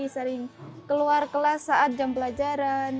sering keluar kelas saat jam pelajaran